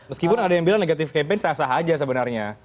meskipun ada yang bilang negatif campaign sah sah aja sebenarnya